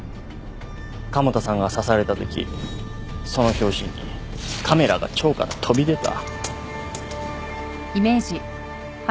加茂田さんが刺されたときその拍子にカメラが腸から飛び出た。